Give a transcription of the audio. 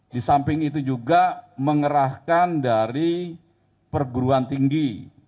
di samping itu juga mengerahkan dari perguruan tinggi